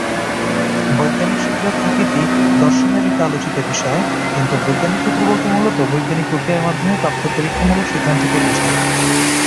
বৈজ্ঞানিক সূত্রের প্রকৃতি দর্শনের একটি আলোচিত বিষয়, কিন্তু বৈজ্ঞানিক সূত্র বলতে মূলত বৈজ্ঞানিক প্রক্রিয়ার মাধ্যমে প্রাপ্ত পরীক্ষামূলক সিদ্ধান্তকে বুঝায়।